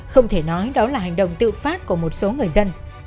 không thể nói đó là hành động tự phát của một số người dân